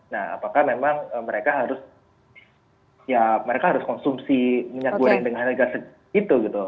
nah apakah memang mereka harus ya mereka harus konsumsi minyak kureng dengan dengan dengan harga segitu